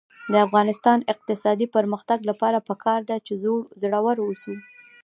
د افغانستان د اقتصادي پرمختګ لپاره پکار ده چې زړور اوسو.